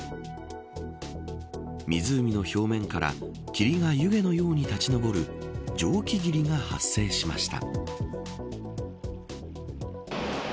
湖の表面から霧が湯気のように立ち昇る蒸気霧が発生しました。